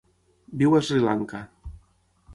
Viu a Sri Lanka.